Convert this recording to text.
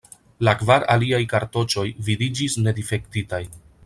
La kvar aliaj kartoĉoj vidiĝis ne difektitaj.